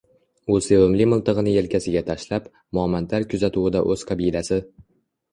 U sevimli miltig’ini yelkasiga tashlab, momandlar kuzatuvida o’z qabilasi